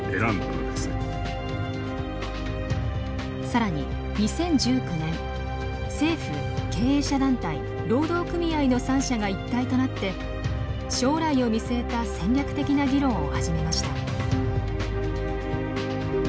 更に２０１９年政府経営者団体労働組合の三者が一体となって将来を見据えた戦略的な議論を始めました。